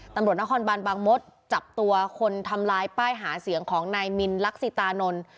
ตำรวจนครบานบางมศจับตัวคนทำลายป้ายหาเสียงของนายมินลักษิตานนท์